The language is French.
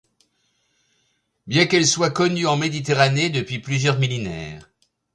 Bien qu'elles soient connues en Méditerranée depuis plusieurs millénaires.